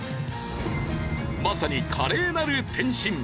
まさに華麗なる転身！